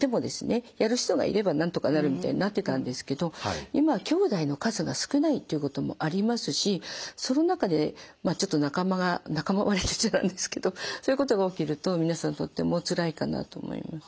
やる人がいればなんとかなるみたいになってたんですけど今はきょうだいの数が少ないっていうこともありますしその中で仲間割れと言っちゃなんですけどそういうことが起きると皆さんとってもおつらいかなと思います。